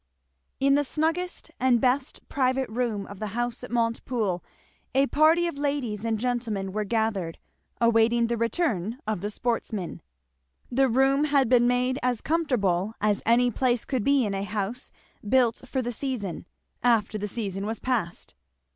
In the snuggest and best private room of the House at Montepoole a party of ladies and gentlemen were gathered, awaiting the return of the sportsmen. The room had been made as comfortable as any place could be in a house built for "the season," after the season was past.